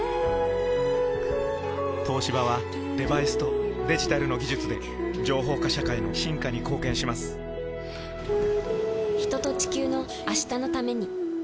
東芝はデバイスとデジタルの技術で情報化社会の進化に貢献します人と、地球の、明日のために。